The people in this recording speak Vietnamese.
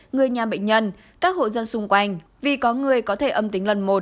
người nhà bệnh nhân các hộ dân xung quanh vì có người có thể âm tính lần một